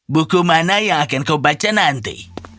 buku mana yang akan kau baca nanti